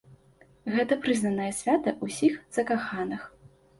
Гэта прызнанае свята ўсіх закаханых.